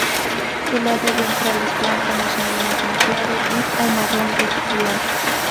Su lado ventral es blanco más o menos moteado o marrón reticular.